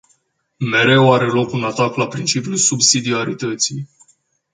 Mereu are loc un atac la principiul subsidiarității.